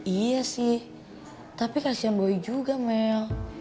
iya sih tapi kasihan boy juga mel